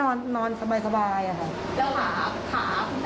มันนอนแบบแบบป้าไหนครับอีก